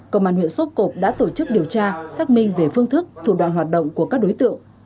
công an huyện sốp cộp đã tổ chức điều tra xác minh về phương thức thủ đoạn hoạt động của các đối tượng